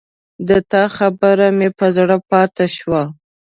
د تا خبره مې پر زړه پاته شوه